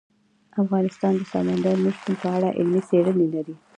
افغانستان د سمندر نه شتون په اړه علمي څېړنې لري.